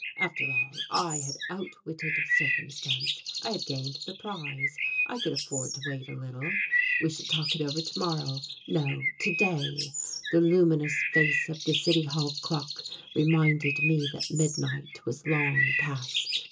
After all, I had outwitted circumstance, I had gained the prize, I could afford to wait a little. We should talk it over to morrow, no, to day. The luminous face of the city hall clock reminded me that midnight was long past....